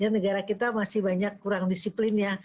negara kita masih banyak kurang disiplin ya